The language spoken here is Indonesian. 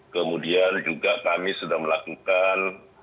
kemudian juga kami sudah melakukan